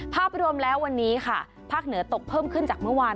ภาพรวมแล้ววันนี้ค่ะภาคเหนือตกเพิ่มขึ้นจากเมื่อวาน